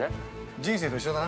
◆人生と一緒だな。